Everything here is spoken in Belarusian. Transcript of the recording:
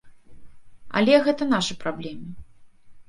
Але гэта нашы праблемы.